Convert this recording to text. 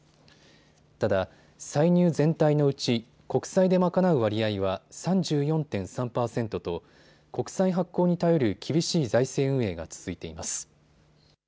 ただ歳入全体のうち国債で賄う割合は３４．３％と国債発行に頼る厳しい財政運営が続いています。